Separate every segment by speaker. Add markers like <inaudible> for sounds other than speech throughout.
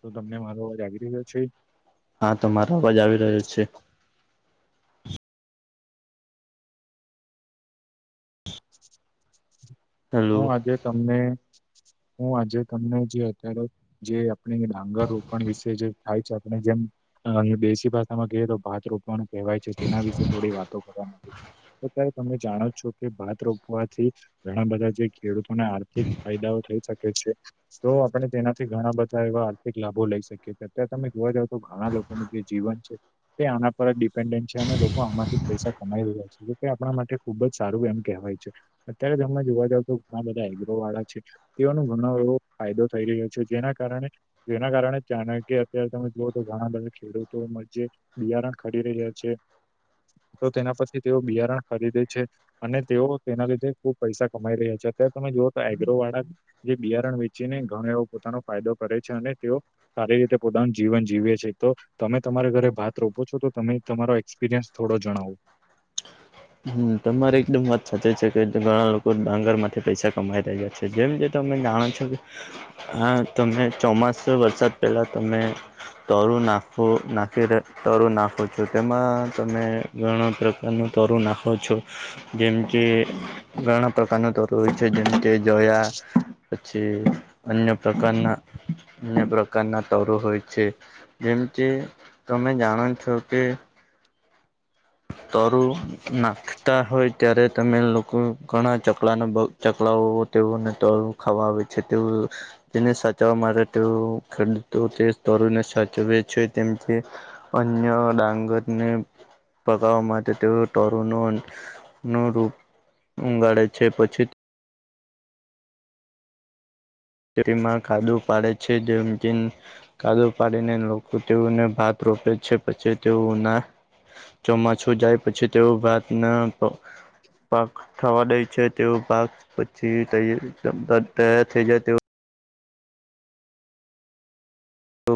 Speaker 1: તો તમને મારો અવાજ આવી રહ્યો છે.
Speaker 2: હા તમારો અવાજ આવી રહ્યો છે. હેલો
Speaker 1: હું આજે તમને હું આજે તમને જે અત્યારે જે આપણે ડાંગર રોપણ વિશે જે થાય છે આપણે જેમ અ દેશી ભાષામાં કએ તો ભાત રોપવાનું કહેવાય છે તેના વિશે થોડી વાતો કરવા માં તો ભાઈ જાણો છો કે ભાત રોપવાથી ઘણા બધા જે ખેડૂતોને આર્થિક ફાયદાઓ થઈ શકે છે. તો આપણે તેનાથી ઘણા બધા એવા આર્થિક લાભો લઈ શકીએ છીએ અત્યારે તમે જોવા જાવ તો ઘણા લોકો નું જે જીવન છે. તે આના પર જ ડિપેન્ડન્ટ છે અને લોકો આમાંથી પૈસા કમાઈ રહ્યા છે તે આપણા માટે ખુબ જ સારું એમ કહેવાય છે અત્યારે તમે જોવા જાવ તો ઘણા બધા એગ્રો વાળા છે. તેઓનો ઘણો એવો ફાયદો થઈ રહ્યો છે જેના કારણે જેના કારણે ત્યાંના અત્યારે તમે જુઓ તો ઘણા બધા ખેડૂતોમાં જેે. બિયારણ ખડી રહ્યા છે. તો તેના પછી થી તેઓ બિયારણ ખરીદે છે અને તેઓ તેના લીધે ખુબ પૈસા કમાઈ રહ્યા. અત્યારે તમે જુઓ તો એગ્રો વાળા જે બિયારણ વેચીને ઘણ એવો પોતાનો ફાયદો કરે છે અને તેઓ સારી રીતે પોતાનું જીવન જીવે છે તો. તમે તમારે ઘરે ભાત રોપો છો તો તમે તમારો એક્સપિરિયન્સ થોડો જણાવો.
Speaker 2: મ તમારી એકદમ વાત સાથેચ છે કે ઘણા લોકો ડાંગર માંથી પૈસા કમાઈ રહ્યા છે જેમ જે ત તમે જાણો છો હ તમે ચોમાસો વરસાદ પહેલા તમે તરું નાખો નાખીને તરું નાખો છો તેમાં તમે ઘણા પ્રકાર નું તરું નાખો છો, જેમ કે ઘણા પ્રકારનું તરું. ય છે, જેમ કે જયા પછી અન્ય પ્રકારના. અ પ્રકારના તરો હોય છે. જેમ કે, તમે જાણો છો કે. તરું નાખતા હોય, ત્યારે તમે લોકો ઘણા ચકડા. ચકલાઓ તેઓને તળું ખાવા આવે છે, તેવુ તેને સાચવવા માટે ખેડૂતો તે સ્તરને સાચવે છે, તેમથી અન્ય ડાંગરને. પકાવવા માટે તેઓ ટોરોનો નું રૂપ ઊંગાડે છે, પછી <unintelligible> કાદુ પાડે છે. જેમ કેન કાદુ પાડીને લોકો તેઓને ભા રોપે છે, પછી તે ના ચોમાસું જાય. પછી તેવું ભાત ના પાક થવા દે છે. તેવો પાક પછી તયા તયાર થઈ જાય તેવ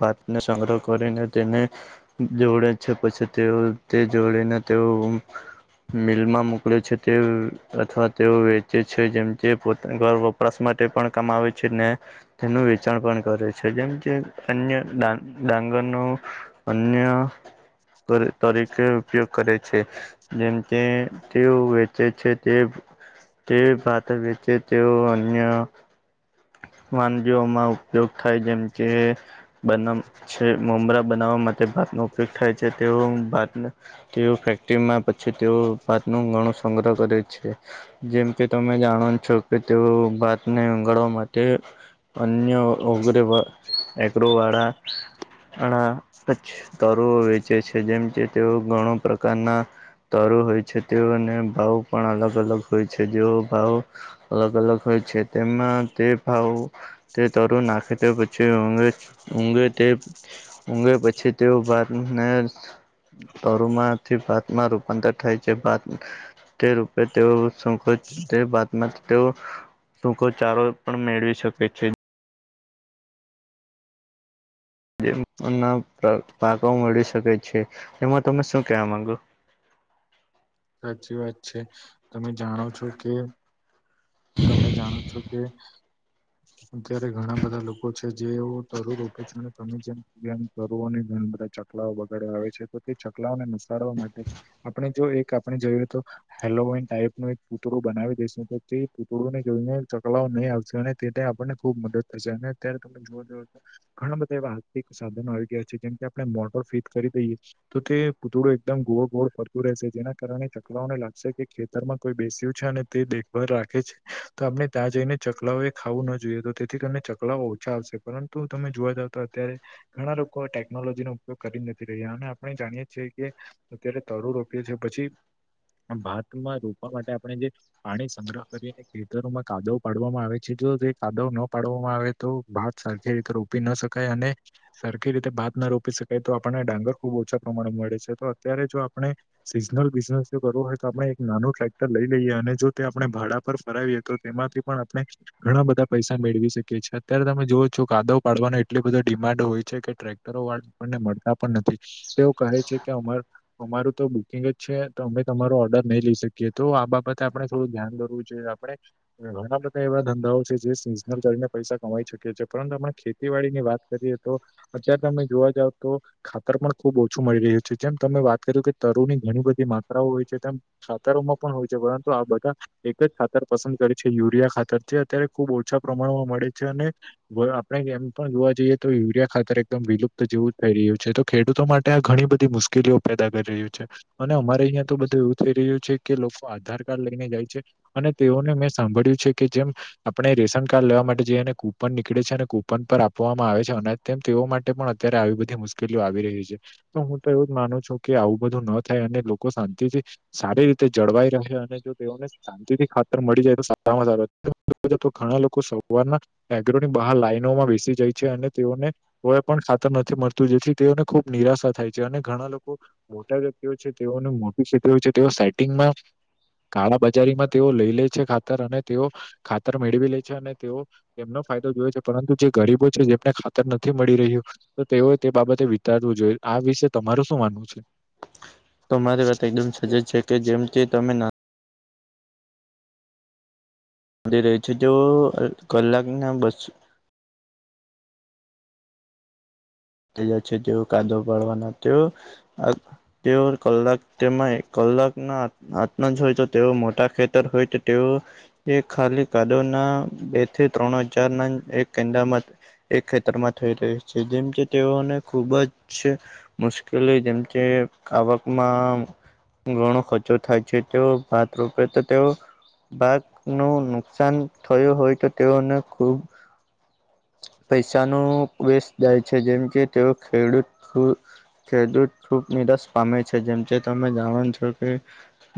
Speaker 2: વાતને સંગ્રહ કરીને તેને. જોડે છે. પછી તેઓ તે જોડીને તેઓ. મિલમાં મોકલે છે, તે અથવા તેઓ વેચે છે, જેમ તે પોતા ઘર <unintelligible> માટે પણ કમાવે છે, ને તેનું વેચાણ પણ કરે છે, જેમ જે અન્ય ડાંગર નું અન્ય તરીકે ઉપયોગ. કરે છે, જેમ કે તેઓ વેચે છે, તે એ પાક વેચે, તેવો અન્ય. વાનગઓમાં ઉપયોગ થાય જેમ કે બ છે, મમરા બનાવવા માટે ભાતનો ઉપયોગ થાય છે, તેવ ભાત તેઓ ફેક્ટરીમાં પછી તેઓ નું ઘણું સંગ્રહ કરે છે. જેમ કે તમે જાણવાનું છો કે તેઓ ભાત ને ઉગાળવા મા તે અન્ય ઉગ્ર એગ્રોવાળા. અણા અચ તરુ વેચે છે, જેમ કે તેઓ ઘણો પ્રકારના તાર હોય છે. તેઓને ભાવ પણ અલગ અલગ હોય છે. જેઓ ભાવ અલગ અલગ હોય છે. તેમાં તે ભાવ તે તરુણ નાખે તે. ઊઘે તે, ઊઘે પછી તેઓ ભાતને. તરુમાંથી ભાતમાં રૂપાંતર થાય છે, ભાત તે રૂપે તેઓ. શકોચ તે બાતમાં તેઓ સુકોચારો પણ મેળવી શકે છે. જેના પાકાઓ મળી શકે છે, એમાં તમે શું કેવા માંગો?
Speaker 1: હાચી વાત છે, તમે જાણો છો કે? તમે જાણો છો કે. અત્યારે ઘણા બધા લોકો છે જે તરુ રપે <inaudible> છેનેમુ બધા ચકલાઓ બગાડવા આવે છે તો તે ચકલાઓને નુસાડવા માટે. આપણે જો એક આપણે જોઈએ તો હેલોવઈન ટાઈપ નુ એક પૂતરું બનાવી દેસું તો તે. પૂતડૂ ને જોયને ચકલાઓ નહીં આવશે અને તે આપણને ખુબ મદદ થશે અને અત્યારે તમે જોવા જાવ. ઘણા બધા એવા આર્થિક સાધનો આવી ગયા છે, જેમ કે આપણે મોટર ફીટ કરી દઈએ તો તે પૂતળો એકદમ ગોળ ગોળ ફરતું રહેશે, જેના કારણે ચકડાઓને લાગશે કે ખે તરમાં કોઈ બેસ્યું છે, અને તે દેખભાર રાખ ખે છે, તો આપણે ત્યાં જઈને ચકલાઓ એ ખાવું ના જોઈએ, તો તેથી કરીને ચકલાઓ ઓછા આવશે, પર તો તમે જોવા જાવ તો અત્યારે ઘણા લોકો ટેકનોલોજી નો ઉપયોગ કરી નથી રહ્યા, અને આપણે જાણીએ છીએ કે અત્યારે તરુ રોપીએ છીએ, પછી આમ ભાતમાં રોપવા માટે આપણે જે પાણી સંગ્રહ <unintelligible> ખેતરોમાં કાદવ પાડવામાં આવે છે, જો તે કાદવ ન પાડવામાં આવે તો, ભા ત સરખી રીતે રોપી ના શકાય અને સરખી રીતે ભાત ના રોપી શકાય, તો આપણને ડાંગર ખુબ ઓછા પ્રમાણે મળે છે, તો અત્યારે જો આપણે સિઝનલ બિઝનેસ જો કરવો હોય તો, આપડણે એક નાનું ટ્રેક્ટર લઈ લઈએ, અને જો તે આપણે ભાડા પર ફરાવી તો તેમાંથી પણ આપણે ઘણા બધા પૈસા મેળવી શકે છે, અત્યારે તમે જોઓ છો કાદવ પાડવાનો એટલી બધા ડિમાન્ડ હોય છે કે, ટ્રેક કરોવડ કોઈને મળતા પણ નથી, તેઓ કહે છે કે અમારે અમારું તો બુકિંગજ છે, તો અમે તમારો ઓર્ડર નહી લઈ શકીએ, તો આ બાબતે આપણે થોડું ધ્યાન દોરવૂ જેઇએ આપડે ઘણા બધા એવા ધંધાઓ છે જે સિઝનલ કરીને પૈસા કમાઈ શકીકે છે, પરંતુ આપણે ખેતીવાડીની વાત કરી તો, અત્યારે તમે જોવા જાવ તો. ખાતર પણ ખુબ ઓછું મળી રહ્યું છે, જેમ તમે વાત કર્યું કે તરુની ઘણી બધી માત્રાઓ હોય છે, તેમ ખાતરોમાં પણ હોય છે, પરંતુ આ બધા એક જ ખાતર પસંદ કરે છે, યુરિયા ખાતર છે, અત્યારે ખુબ ઓછા પ્રમાણમાં મળે છે અને આપણે એમ પણ જોવા જઈએ તો યુરિયા ખાતર એકદમ વિલુપ્ત જેવું થઈ રહ્યું છે, તો ખેડૂતો માટે આ ઘણી બધી મુશ્કેલીઓ પેદા કરી રહ્યું છે. અને અમારે અહીંયા તો બધું એવું થઈ રહ્યું છે, કે લોકો આધાર કાર્ડ લઈને જાય છે. અને તેઓને મેં સાંભળ્યું છે કે જેમ આપણે રેશન કાર્ડ લેવા માટે જઈએ, ને કૂપન નીકળે છે, અને કુપન પર આપવામાં આવે છે અનાજ. તેમ તેઓ માટે પણ અત્યારે આવી બધી મુશ્કેલીઓ આવી રહી છે. તો હું તો એવું જ માનું છું કે, આવું બધું ન થાય અને લોકો શાંતિથી સારી રીતે જળવાઈ રહે, અને જો તેઓને શાંતિથી ખાતર મળી જાય તો સારામાં સારો, <unintelligible> તો ઘણા લોકો સવારના એગ્રોની બહાર લાાઈનોમાં બેસી જાય છે, અને તેઓને કોઈ પણ ખાતર નથી મળતું, જેથી તેઓને ખુબ નિરાશા થાય છે, અને ઘણા લોકો મોટા વ્યક્તિઓ છે તેઓને મોટી ક્ષેત્ર છે તેઓ સેટિંગમાં કાળા- બજારીમાં તેઓ લઈ લે છે ખાતર, અને તેઓ ખાતર મેળવી લે છે, અને તેઓ એમનો ફાયદો જોવે છે, પરંતુ જે ગરીબો છે જેમને ખાતર નથી મળી રહ્યું. તો તેઓએ તે બાબતે વિચારવું જોઈએ, આ વિશે તમારું શું માનવું છે?
Speaker 2: તમારી વાત એકદમ સજેજ છે, કે જેમ કે તમે ના અડી રહે છે, તો કલાક ના બસો થયા છે, જેવો કાદવ પાડવાના તો આ તેઓ કલાક તેમાંય કલાકના હાથમાં જોયતો તેઓ મોટા ખેતર હોય તો તેઓ એ ખાલી કાદવ ના બે થી ત્રણ હજારના એક કેંદામત એક ખેતર માં થઈ રહી છે, જેમ કે તેઓને ખુબજ મુશ્કેલી જેમકે આવકમાં ઘણો ખર્ચો થાય છે, તેઓ ભાત રોપે તો તેઓ ભાત નું નુકસાન થયું હોયતો, તેઓને ખૂબ પૈસાનું પ્રેશ જાય છે, જેમકે તેઓ ખેડૂત ખેડૂત ખૂબ નિરાશ પામે છે, જેમકે તમે જાણો છો કે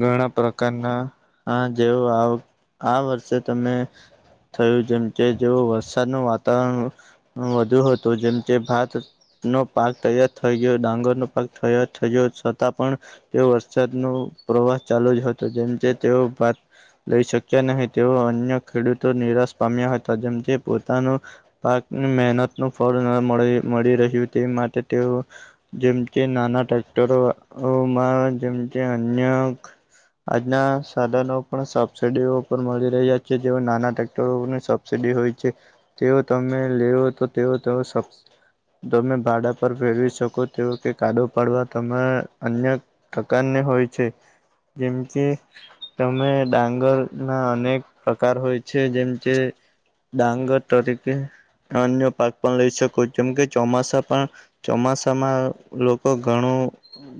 Speaker 2: ઘણા પ્રકારના આ જેવો આવ, આ વર્ષે તમે થયું જેમકે જેવો વરસાદનું વાતાવરણ વધુ હતું જેમ કે ભાત નો પાક તૈયાર થઈ ગયો, ડાંગર નો પાક તૈયાર થઈ ગયો, છતાં પણ તેઓ વરસાદ નુ પ્રવાસ ચાલુ જ હતો જેમ તેઓ પાત લઈ શક્યા નહી તેઓ અન્ય ખેડૂતો નિરાશ પામ્યા હતા જેમ તે પોતાનું પાકની મહેનત નું ફળના મળ મળી રહ્યું તે માટે તેઓ જેમ કે નાના ટ્રેક્ટરોમાં જેમ કે અન્ય આજના સાધનો પણ સબસિડીઓ પર મળી રહ્યા છે જે નાના ટ્રેક્ટરોને સીડી હોય છે તેઓ તમે લેવો તો તેવો તમે ભાડા પર ફેરવી શકો તે કે કાડો પડવા તમે અન્ય પ્રકાર ને હોય છે. જેમ કે તમે ડાંગર ના અનેક પ્રકાર હોય છે જેમ કે ડાંગર તરીકે અન્ય પાક પણ લઈ શક હું જેમ કે ચોમાસા પણ ચોમાસામાં લોકો ઘણું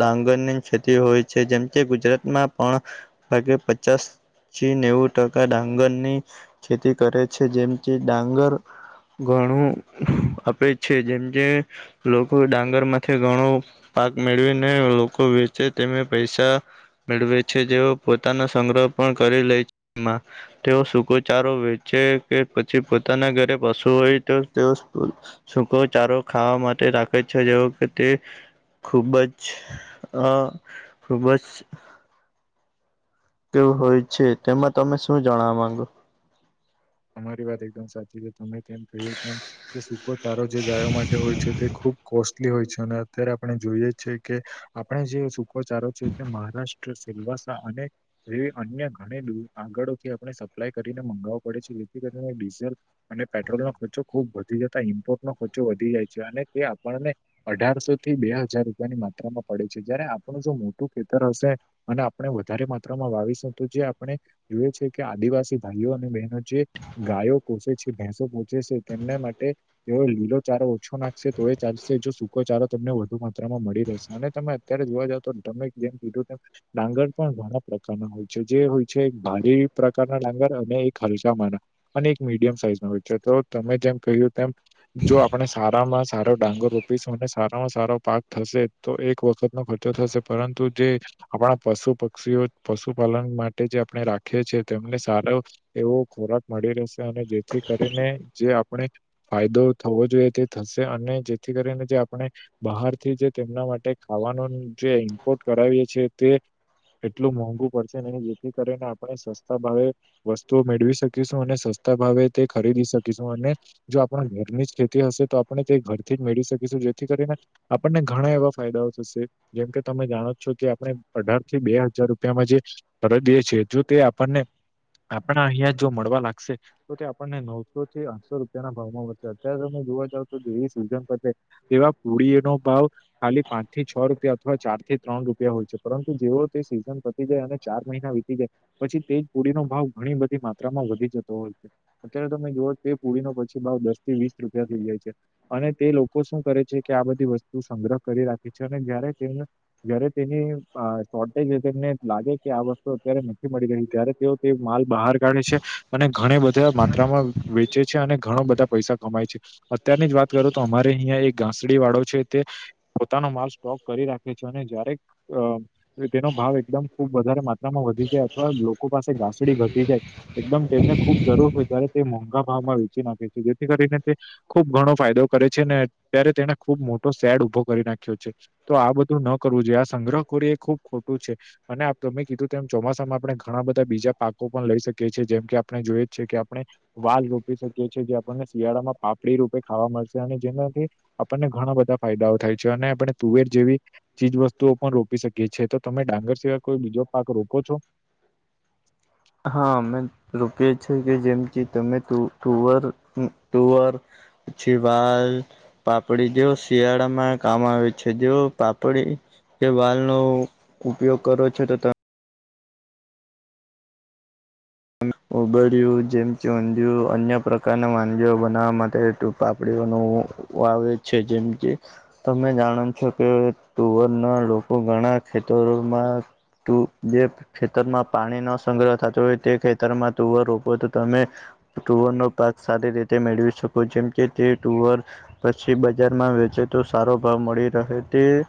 Speaker 2: ડાંગરની ખેતી હોય છે જેમ કે ગુજરાતમાં પણ ભાગે પચાસ થી નેવું ટકા ડાંગર ની ખેતી કરે છે જેમ કે ડાંગર ઘણું છે જેમ જે લોકો ડાંગરમાંથી ઘણો પાક મેળવીને લોકો વેચે તેમે પૈસા મેળવે છે જેઓ પોતાનો સંગ્રહ પણ કરી લે છેમાં તેઓ સૂકો ચારો વેચે કે પછી પોતાના ઘરે પશુ હોય તો તેઓ સૂકો ચારો ખાવા માટે રાખે છે જેવો કે તે ખૂબ જ અ ખૂબ જ કેવું હોય છે તેમાં તમે શું જણાવા માંગો
Speaker 1: અમારી વાત એકદમ સાચી છે. તમે જેમ કહ્યું તેમ સૂકો સારો જે ગાયો માટે હોય છે તે ખૂબ કોસ્ટ તે હોય છે અને અત્યારે આપણે જોઈએ છેએ કે આપણે જે સુકોચારો છે તે મહારાષ્ટ્ર તો સીલવા સા અનેક એ અન્ય ઘણી આગળથી આપણે સપ્લાય કરીને મગાવવા પડે છે જેથી કરી ડીઝલ અને પેટ્રોલનો ખર્ચો ખુબ વધી જતા ઈમ્પોર્ટ નો ખર્ચો વધી જાય છે અને તે આપણને અઢારસો થી બે હજાર રૂપિયાની માત્રામાં પડે છે જયારે આપણું જો મોટું ખેતર હશે અને આપણે વધારે માત્રામાં વાવીશું તો જે આપણે એ છે કે આદિવાસી ભાઈઓ અને બહેનો જે ગાયો કોસેે છે ભેંસો પોહોંચે છે તેમના માટે તે લીલો ચારો ઓછો નાખશે તો એ ચાલશે જો સૂકો ચારો તમને વધુ માત્રામાં મળી રહેશે અને તમે ત્યારે જોવા જાવ તો તમે જેમ કીધું તેમ ડાંગર પણ ઘણા પ્રકારના હોય છે જે હોય છે એક ભારે પ્રકારના ડાંગર અને એક હલસામાં ના અને એક મીડિયમ સાઈઝ નો હોય છે તો તમે જેમ કહ્યું તેમ જો આપણે સારામાં સારો ડાંગર રોપીશું અને સારામાં સારો પાક થશે તો એક વખત નો ખર્ચો થશે પરંતુ જે આપણા પશુ પક્ષીઓ પશુપાલન માટે જે આપણે રાખીએ છીએ તેમને સારો એવો ખોરાક મળી રહેશે અને જેથી કરીને જે આપણે ફાયદો થવો જોઈએ તે થશે અને જેથી કરીને જે આપણે બહારથી જે તેમના માટે ખાવાનું જે ઇમ્પોર્ટ કરાવીએ છીએ તે એટલું મોંઘુ પડશે ને જેથી કરીને આપણે સસ્તા ભાવે વસ્તુઓ મેળવી શકીએ અને સસ્તા ભાવે તે ખરીદી શકીશું અને જો આપણા ઘરની જ ખેતી હશે તો આપણે તે ઘરથી જ મેળવી શકીશું જેથી કરીને આપણને ઘણા એવા ફાયદાઓ થશે જેમ કે તમે જાણો છો કે આપણે અઢાર થી બે હજાર રૂપિયામાં જે તરત એ છે જો તે આપણને આપણા અહિયાં તો મળવા લાગશે તો તે આપણને નવસો થી આઠસો રૂપિયા ના ભાવમાં વધશે અત્યારે જોવા જાઓ તો દેવી સૂજન વધે તેવા પુળીએ નો ભાવ ખાલી પાંચથી છ રૂપિયા અથવા ચાર થી ત્રણ રૂપિયા હોય છે પરંતુ જેઓ તે સીઝન જાય અને ચાર મહિના વીતી જાય પછી તેજ પુડી નો ભાવ ઘણી બધી મા વધી જતો હોય છે અત્યારે તમે જોઓ કે પુરીનો પછી ભાવ દસ થી વીસ રૂપિયા થઈ જાય. છે અને તે લોકો શું કરે છે કે આ બધી વસ્તુ સંગ્રહ કરી રાખે છે અને જય્યારે તેમને જય્યારે તેની શોર્ટેજને લાગે કે આ વસ્તુ અત્યારે નથી મળી રહી તે તે માલ બહાર કાઢે છે અને ઘણી બધા માત્રામાં વેચે છે અને ઘણા બધા પૈસા કમાય છે. અત્યારની જ વાત કરું તો અમારે અહં એક ઘાસડી વાળો છે તે પોતાનો માલ સ્ટોક કરી રાખે છે, અને જય્યારે તો તેનો ભાવ એકદમ ખુબ વધારે માત્રામાં વધી જાય અથવા લોકો પાસે ઘાસડી ઘટી જાય. એકદમ તેમને ખુબ જરૂર હોય જ્યારે તે મોંઘા ભાવમાં વેચી નાખે છે, જેથી કરીને તે ખૂબ ઘણો ફાયદો કરે છે ને અત્યારે તેને ખુબ મોટો સેડ ઉભો કરી નાખ્યો છે. તો આ બધું ન કરવું જોઈએ આ સંગ્રહ ખોરી એ ખુબ ખોટું છે. અને આપ ત મેમે કીધું એમ ચોમાસામાં આપણે ઘણા બધા બીજા પાકો પણ લઈ શકીએ જેમ કે આપણે જોઈએ કે આપણે વાલ રોપી શકીએ છીએ, જે આપણને શિયાળામાં કડી રૂપે ખાવા મળશે અને જેનાથી, આપણને ઘણા બધા ફાયદાઓ થાય છે, અને આપણે તુવેર જેવી ચીજવસ્તુઓ પણ રોપી શકીએ છી તો તમે ડાંગર સિવાય કોઈ બીજો પાક રોકો છો?
Speaker 2: હા મે રૂપિયા છે કે જેમથી તમે ટુવાર ટુવાર પ જી વાલ. પાપડી જે શિયાળામાં કામ આવે છે જે પાપડી કે વાલ નો ઉપયોગ કરો છો તો તમે ઉબર્યું જેમ ચુંંદ્યું અન્ય પ્રકારના વાનગીઓ બનાવવા માટે ટપાપડીઓનું આવે છે જેમ કે તમે જાણો છો કે ટુવરના લોકો ઘણા ખેતરોમાં તું જે ખેતરમાં પાણી ન સંગ્રહ થતો હોય તેે તરમાં તુવર રોપો તો તમે, તુવર નો પાક સારી રીતે મેળવી શકો જેમકે તે ટુઅર, પછી બજારમાં વેચે તો સારો ભાવ મળી રહે. તે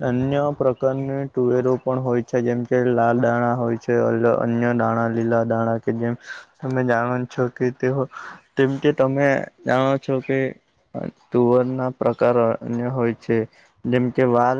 Speaker 2: ધન્ય પ્ર ર તુવેરો પણ હોય છે જેમ કે લાલ દાણા હોય છે અન્ય દાણા લીલા દાણા. કે જેમ, તમે જાણો છો કે તેઓ તેમમ કે તમે જાણો છો કે તુવર ના પ્રકાર અન્ય હોય છે, જેમ કે વાર